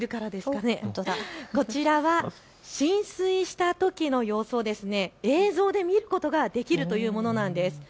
こちらは浸水したときの様子を映像で見ることができるというものなんです。